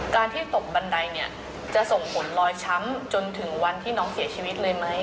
การที่ตกบันไดเนี่ยจะส่งผลลอยช้ำจนถึงวันที่น้องเสียชีวิตเลยไหม